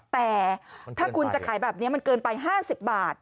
แต่ถ้าคุณจะขายแบบนี้มันเกินไป๕๐บาท